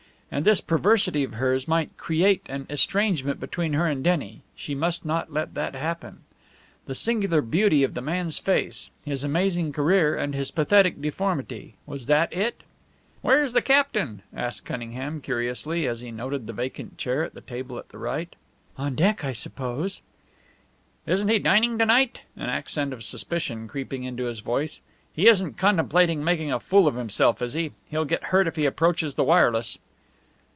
And this perversity of hers might create an estrangement between her and Denny; she must not let that happen. The singular beauty of the man's face, his amazing career, and his pathetic deformity was that it? "Where's the captain?" asked Cunningham, curiously, as he noted the vacant chair at the table that night. "On deck, I suppose." "Isn't he dining to night?" an accent of suspicion creeping into his voice. "He isn't contemplating making a fool of himself, is he? He'll get hurt if he approaches the wireless."